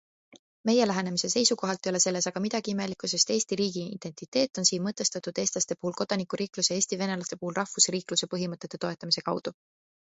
Meie lähenemise seisukohalt ei ole selles aga midagi imelikku, sest Eesti riigiidentiteet on siin mõtestatud eestlaste puhul kodanikuriikluse ja eestivenelaste puhul rahvusriikluse põhimõtete toetamise kaudu.